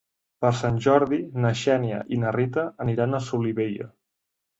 Per Sant Jordi na Xènia i na Rita aniran a Solivella.